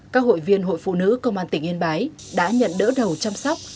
các hội viên hội phụ nữ công an tỉnh yên bái đã nhận đỡ đầu chăm sóc